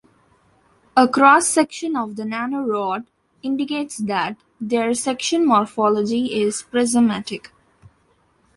A cross section of the nanorods indicates that their section morphology is prismatic.